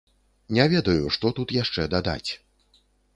Не ведаю, што тут яшчэ дадаць!